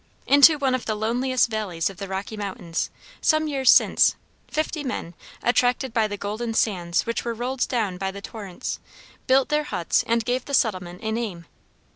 Into one of the loneliest valleys in the Rocky Mountains, some years since, fifty men, attracted by the golden sands which were rolled down by the torrents, built their huts and gave the settlement a name.